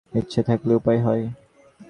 ইচ্ছে থাকলে উপায় হয়।